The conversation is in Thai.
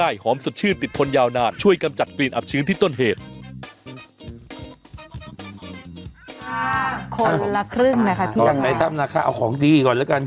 อ่าคนละครึ่งนะคะที่นั่งไว้ในท่ามนะคะเอาของดีก่อนแล้วกัน